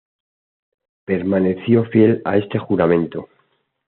Permaneció fiel a este juramento.